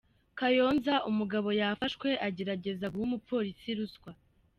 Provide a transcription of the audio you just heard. Kayonza: Umugabo yafashwe agerageza guha umupolisi ruswa.